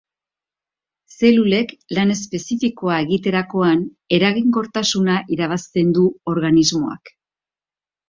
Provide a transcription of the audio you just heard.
Zelulek lan espezifikoa egiterakoan, eraginkortasuna irabazten du organismoak.